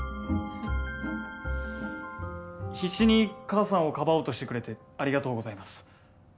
必死に母さんをかばおうとしてくれてありがとうございます。